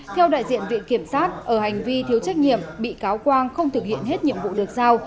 theo đại diện viện kiểm sát ở hành vi thiếu trách nhiệm bị cáo quang không thực hiện hết nhiệm vụ được giao